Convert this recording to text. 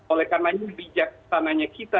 oleh karena ini bijaksananya kita